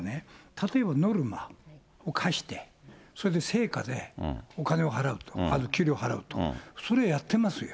例えばノルマを課して、それで成果でお金を払うと、給料を払うと、それをやってますよ。